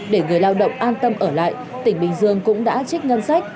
để người lao động an tâm ở lại tỉnh bình dương cũng đã trích ngân sách